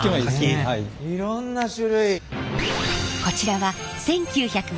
いろんな種類。